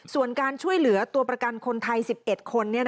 ส่วนการช่วยเหลือตัวประกันคนไทย๑๑คน